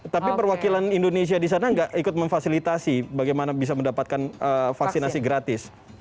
tapi perwakilan indonesia di sana nggak ikut memfasilitasi bagaimana bisa mendapatkan vaksinasi gratis